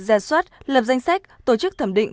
giả soát lập danh sách tổ chức thẩm định